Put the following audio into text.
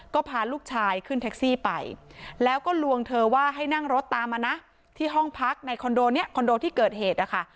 ก็พาลูกชายขึ้นแท็กซี่ไปแล้วก็ลวงเธอว่าให้นั่งรถตามมานะที่ห้องพักในคอนโดนี้คอนโดที่เกิดเหตุนะคะ